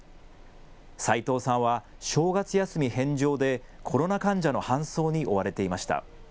齋藤さんは正月休み返上でコロナ患者の搬送に追われていました。